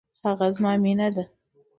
هغه زما مينه ده.